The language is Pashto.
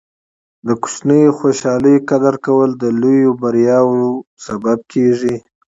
د کوچنیو خوشحالۍو قدر کول د لویو بریاوو لامل کیږي.